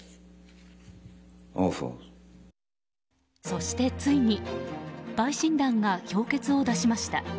そしてついに陪審団が評決を出しました。